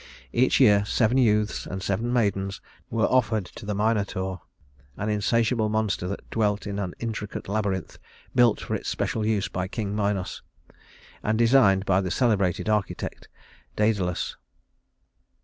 Each year seven youths and seven maidens were offered to the Minotaur, an insatiable monster that dwelt in an intricate labyrinth built for its special use by King Minos, and designed by the celebrated architect Dædalus.